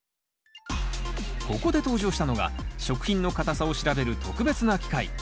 ここで登場したのが食品の硬さを調べる特別な機械。